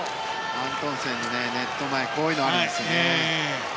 アントンセン、ネット前こういうのがあるんですよね。